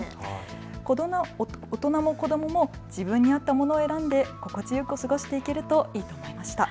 大人も子どもも自分に合ったものを選んで心地よく過ごしていけるといいと思いました。